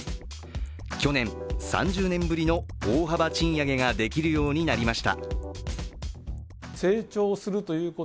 去年３０年ぶりの大幅賃上げができるようになりました。